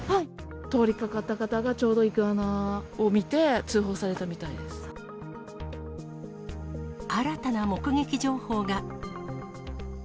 通りかかった方が、ちょうどイグアナを見て、通報されたみたいで新たな目撃情報が。